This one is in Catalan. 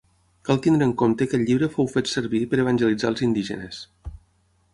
Cal tenir en compte que el llibre fou fet servir per evangelitzar els indígenes.